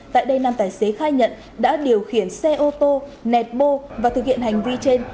tại đây nam tài xế khai nhận đã điều khiển xe ô tô nẹt bô và thực hiện hành vi trên